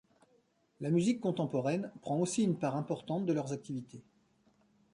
La musique contemporaine prend aussi une part importante de leurs activités.